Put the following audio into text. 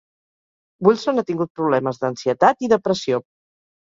Wilson ha tingut problemes d'ansietat i depressió.